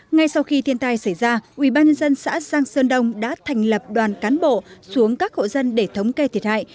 ngay sau khi thiên tai xảy ra ubnd xã giang sơn đông đã thành lập đoàn cán bộ xuống các hộ dân để thống kê thiệt hại